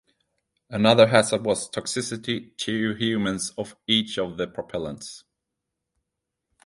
Another hazard was toxicity to humans of each of the propellants.